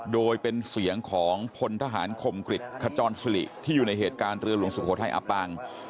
โดยเป็นเสียงของพลทหารคมกริจขจรสิริที่อยู่ในเหตุการณ์เรือหลวงสุโขทัยอับปาง